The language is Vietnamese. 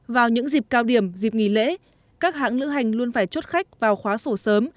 vào những dịp cao điểm dịp nghỉ lễ các hãng lữ hành luôn phải chốt khách vào khóa sổ sớm